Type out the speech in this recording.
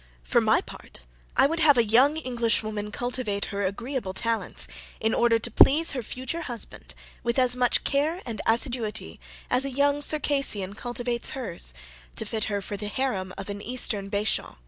"For my part I would have a young Englishwoman cultivate her agreeable talents, in order to please her future husband, with as much care and assiduity as a young Circassian cultivates her's, to fit her for the Haram of an Eastern bashaw."